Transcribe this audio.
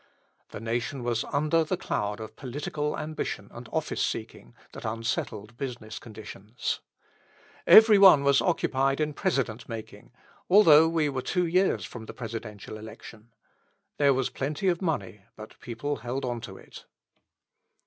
The nation was under the cloud of political ambition and office seeking that unsettled business conditions. Every one was occupied in President making, although we were two years from the Presidential election. There was plenty of money, but people held on to it.